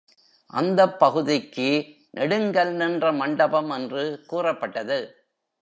அந்தப் பகுதிக்கு நெடுங்கல்நின்ற மண்டபம் என்று கூறப்பட்டது.